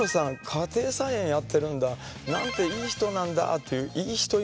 家庭菜園やってるんだ。なんていい人なんだっていういい人イメージ連れてきて。